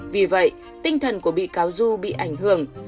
vì vậy tinh thần của bị cáo du bị ảnh hưởng